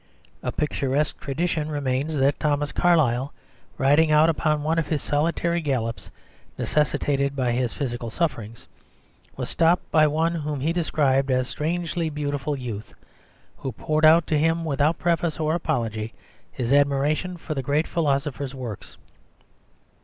A picturesque tradition remains that Thomas Carlyle, riding out upon one of his solitary gallops necessitated by his physical sufferings, was stopped by one whom he described as a strangely beautiful youth, who poured out to him without preface or apology his admiration for the great philosopher's works.